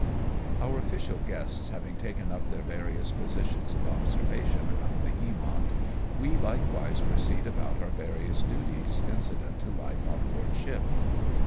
Our official guests having taken up their various positions of observation around the Hamont, we likewise proceed about our various duties incident to life on board ship.